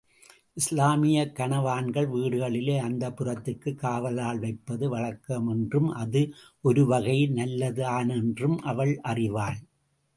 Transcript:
இஸ்லாமியக் கனவான்கள் வீடுகளிலே, அந்தப்புரத்திற்குக் காவலாள் வைப்பது வழக்கமென்றும் அது ஒருவகையில் நல்லதுதானென்றும் அவள் அறிவாள்.